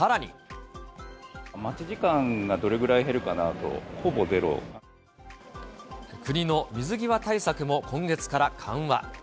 待ち時間がどれくらい減るか国の水際対策も今月から緩和。